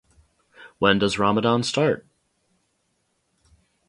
When does Ramadan start?